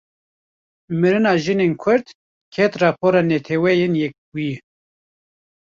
Mirina jinên Kurd, ket rapora Neteweyên Yekbûyî